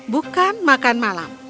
bukan makan malam